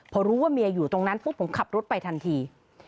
พอรู้ว่าเมียอยู่ตรงนั้นปุ๊บผมขับรถไปทันที